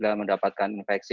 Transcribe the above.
dan apabila mendapatkan infeksi